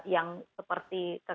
yang seperti itu